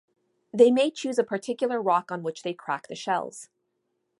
They may choose a particular rock on which they crack the shells.